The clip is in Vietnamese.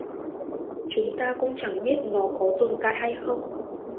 Chúng ta cũng chả biết là nó có tồn tại hay không